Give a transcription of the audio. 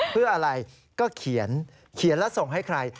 เพื่ออะไรก็เขียนเขียนแล้วส่งให้ใคร